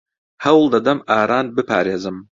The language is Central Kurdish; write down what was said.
ھەوڵ دەدەم ئاران بپارێزم.